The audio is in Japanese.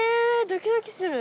ドキドキする！